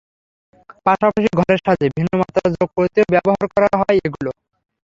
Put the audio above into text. পাশাপাশি ঘরের সাজে ভিন্ন মাত্রা যোগ করতেও ব্যবহার করা যায় এগুলো।